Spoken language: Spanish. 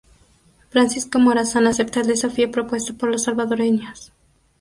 Francisco Morazán aceptó el desafío propuesto por los salvadoreños.